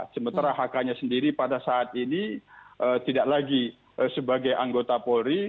sementara hk nya sendiri pada saat ini tidak lagi sebagai anggota polri